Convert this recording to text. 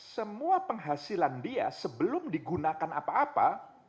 semua penghasilan dia sebelum digunakan apa apa